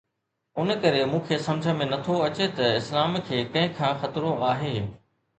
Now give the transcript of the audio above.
ان ڪري مون کي سمجهه ۾ نٿو اچي ته اسلام کي ڪنهن کان خطرو آهي؟